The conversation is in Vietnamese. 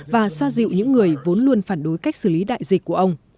và xoa dịu những người vốn luôn phản đối cách xử lý đại dịch của ông